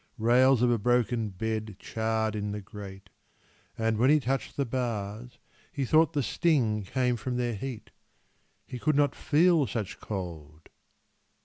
Rails of a broken bed charred in the grate, And when he touched the bars he thought the sting Came from their heat he could not feel such cold